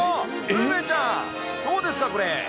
梅ちゃん、どうですか、これ。